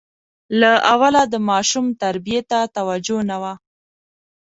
له اوله د ماشوم تربیې ته توجه نه وه.